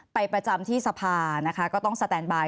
ไปประจำที่สภาก็ต้องสแตนบาย